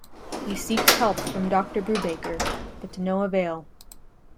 He seeks help from Doctor Brubaker, but to no avail.